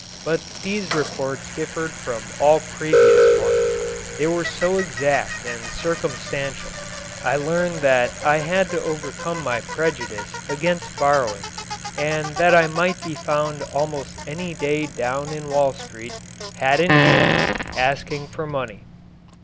But these reports differed from all previous ones. They were so exact and circumstantial. I learned that I had overcome my prejudice against borrowing and that I might be found almost any day down in Wall Street, hat in hand, asking for money.